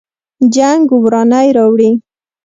جنګ ورانی راوړي